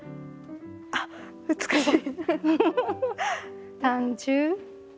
あっ美しい！